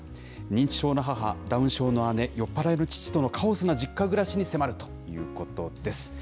認知症の母、ダウン症の姉、酔っぱらいの父とのカオスな実家暮らしに迫るということです。